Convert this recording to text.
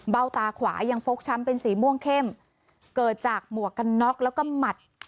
ตาขวายังฟกช้ำเป็นสีม่วงเข้มเกิดจากหมวกกันน็อกแล้วก็หมัด